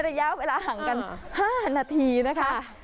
ระยะเวลาห่างกัน๕นาทีนะคะ